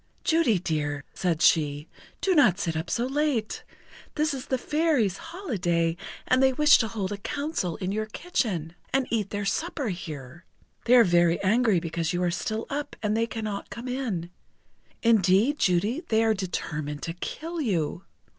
"Judy dear," said she, "do not sit up so late. This is the Fairies' holiday, and they wish to hold a counsel in your kitchen, and eat their supper here. They are very angry because you are still up, and they cannot come in. Indeed, Judy, they are determined to kill you.